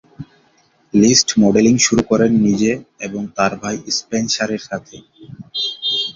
List modelling শুরু করেন নিজে এবং তার ভাই স্পেন্সার এর সাথে।